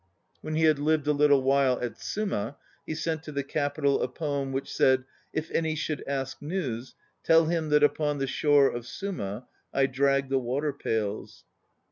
When he had lived a little while at Suma, he sent to the Capital a poem which said: "If any should ask news, Tell him that upon the shore of Suma I drag the water pails."